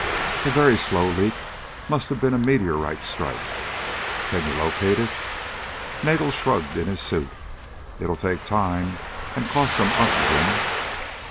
"A very slow leak. Must have been a meteorite strike." "Can you locate it?" Nagel shrugged in his suit "It'll take time and cost some oxygen."